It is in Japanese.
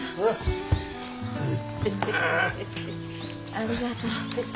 ありがとう。